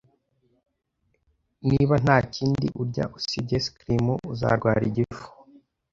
Niba nta kindi urya usibye ice cream, uzarwara igifu.